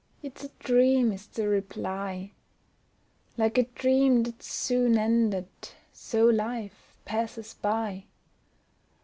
It's a dream, is the reply; Like a dream that's soon ended, so life passes by.